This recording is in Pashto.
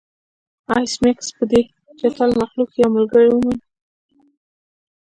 ایس میکس په دې چټل مخلوق کې یو ملګری وموند